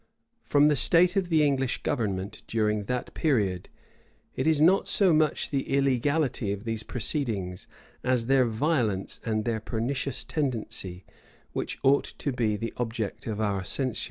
[] From the state of the English government during that period, it is not so much the illegality of these proceedings, as their violence and their pernicious tendency, which ought to be the object of our censure.